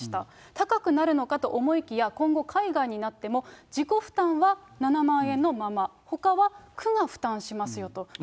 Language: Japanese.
高くなるのかと思いきや、今後海外になっても、自己負担は７万円のまま、ほかは区が負担しますよと。